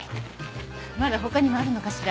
まだ他にもあるのかしら？